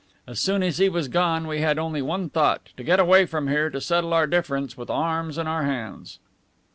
As soon as he was gone we had only one thought, to get away from here to settle our difference with arms in our hands."